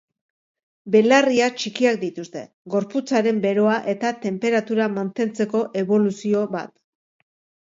Belarriak txikiak dituzte, gorputzaren beroa eta tenperatura mantentzeko eboluzio bat.